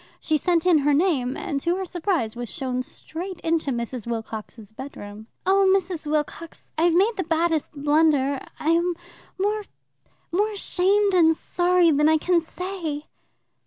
She sent in her name, and to her surprise was shown straight into Mrs. Wilcox's bedroom. "Oh, Mrs. Wilcox, I have made the baddest blunder. I am more, more ashamed and sorry than I can say."